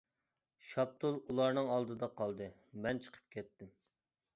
شاپتۇل ئۇلارنىڭ ئالدىدا قالدى، مەن چىقىپ كەتتىم.